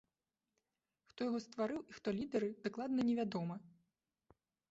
Хто яго стварыў і хто лідары, дакладна невядома.